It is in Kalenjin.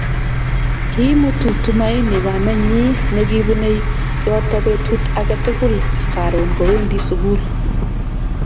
Kiimutu tumaini kamenyi nekibunei yoto betut age tugul Karon kowendi sukul